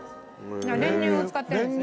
だから練乳を使ってるんですね。